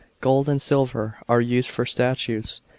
Gold and silver are used for statues.